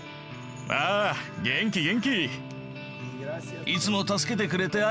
ああ元気元気！